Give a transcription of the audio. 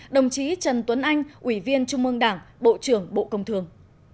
đồng chí trần tuấn anh ủy viên trung ương đảng bộ trưởng bộ công thường